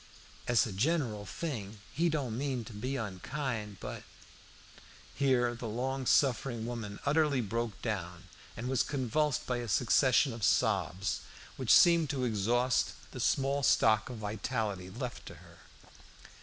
Es a gineral thing he don't mean to be unkind, but " Here the long suffering woman utterly broke down, and was convulsed by a succession of sobs, which seemed to exhaust the small stock of vitality left to her.